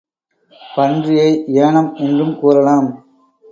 பன்றியை ஏனம் என்றும் கூறலாம்.